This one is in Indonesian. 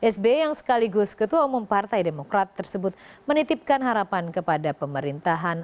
sby yang sekaligus ketua umum partai demokrat tersebut menitipkan harapan kepada pemerintahan